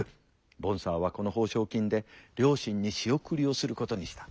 ボンサーはこの報奨金で両親に仕送りをすることにした。